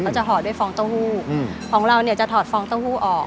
จะถอดด้วยฟองเต้าหู้ของเราเนี่ยจะถอดฟองเต้าหู้ออก